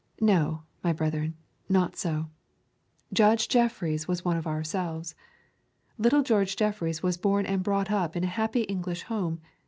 No, my brethren, not so. Judge Jeffreys was one of ourselves. Little George Jeffreys was born and brought up in a happy English home.